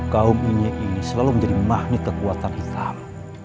kaum ini ini selalu menjadi mahni kekuatan hitam